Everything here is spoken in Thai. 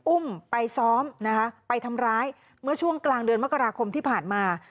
อุ้มไปซ้อมนะคะไปทำร้ายเมื่อช่วงกลางเดือนมกราคมที่ผ่านมา